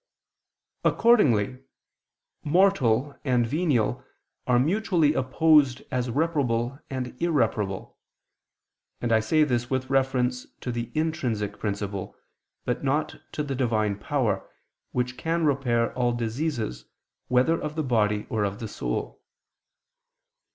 Accordingly, mortal and venial are mutually opposed as reparable and irreparable: and I say this with reference to the intrinsic principle, but not to the Divine power, which can repair all diseases, whether of the body or of the soul.